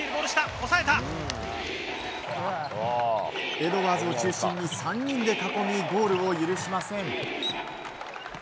エドワーズを中心に３人で囲みゴールを許しません。